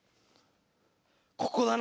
ここだな。